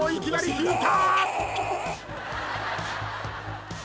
引いた！